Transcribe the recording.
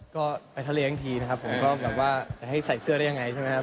ก็ไปทะเลอีกทีนะครับผมก็แบบว่าจะให้ใส่เสื้อได้ยังไงใช่ไหมครับ